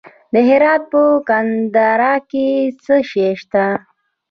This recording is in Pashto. د هرات په ګذره کې څه شی شته؟